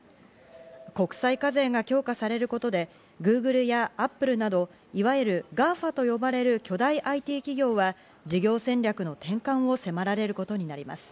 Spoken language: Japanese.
国際課税が強化されることで、ＧｏｏｇｌｅやＡｐｐｌｅなど、いわゆるＧＡＦＡと呼ばれる巨大ＩＴ企業は事業戦略の転換を迫られることになります。